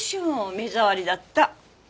目障りだった。